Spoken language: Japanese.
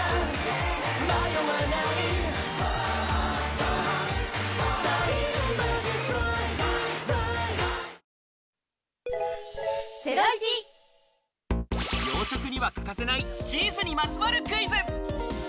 ダイハツ洋食には欠かせないチーズにまつわるクイズ。